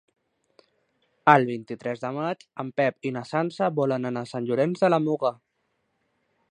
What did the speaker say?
El vint-i-tres de maig en Pep i na Sança volen anar a Sant Llorenç de la Muga.